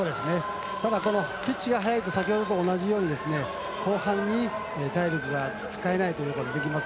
ただこのピッチが速いと先ほどと同じように後半に体力が使えないということが出てきます。